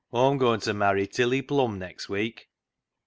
Aw'm goin' t' marry Tilly Plum next week."